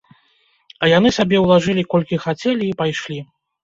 А яны сабе ўлажылі колькі хацелі і пайшлі.